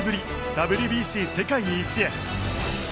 ＷＢＣ世界一へ。